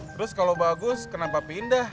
terus kalau bagus kenapa pindah